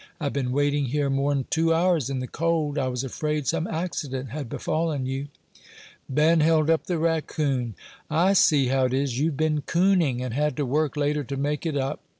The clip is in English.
"I've been waiting here more'n two hours in the cold. I was afraid some accident had befallen you." Ben held up the raccoon. "I see how it is; you've been cooning, and had to work later to make it up.